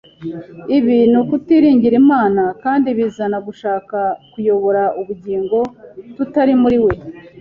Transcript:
Ibi ni ukutiringira Imana kandi bizana gushaka kuyobora ubugingo tutari muri We